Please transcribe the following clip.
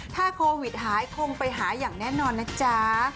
ถ้าโควิดหายคงไปหาอย่างแน่นอนนะจ๊ะ